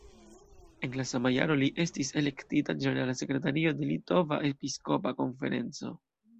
En la sama jaro li estis elektita ĝenerala sekretario de Litova Episkopa Konferenco.